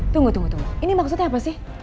tunggu tunggu ini maksudnya apa sih